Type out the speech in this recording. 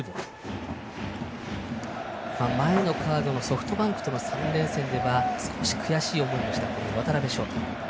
前のカードのソフトバンクとの３連戦では少し悔しい思いをした渡辺翔太。